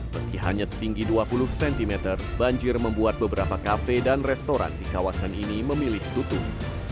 meski hanya setinggi dua puluh cm banjir membuat beberapa kafe dan restoran di kawasan ini memilih tutup